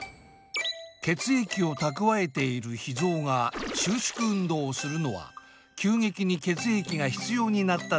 血液を蓄えている脾ぞうが収縮運動をするのは急激に血液が必要になった時くらい。